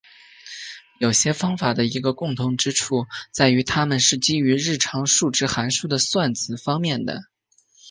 有些方法的一个共同之处在于它们是基于日常数值函数的算子方面的。